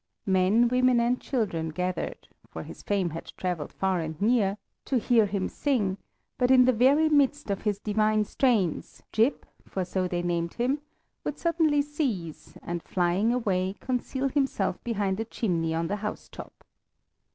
Men, women, and children gathered for his fame had traveled far and near to hear him sing, but in the very midst of his divine strains, Jip for so they named him would suddenly cease, and flying away, conceal himself behind a chimney on the housetop.